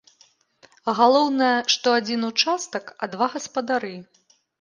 Галоўнае, што адзін участак, а два гаспадары!